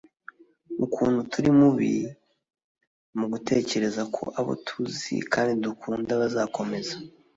ukuntu turi mubi mugutekereza ko abo tuzi kandi dukunda bazakomeza